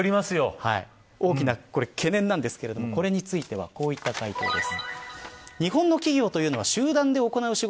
大きな懸念なんですが、これについては、こういった回答です。